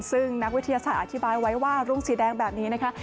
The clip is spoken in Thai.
ซึ่งนักวิทยาศาสตร์อธิบายไว้ว่ารุ่งสีแดงแบบนี้นะคะ